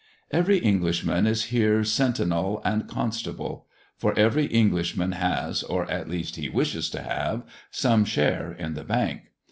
Every Englishman is here sentinel and constable, for every Englishman has, or at least he wishes to have, some share in the Bank.